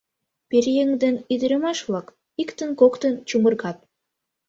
Пӧръеҥ ден ӱдырамаш-влак иктын-коктын чумыргат.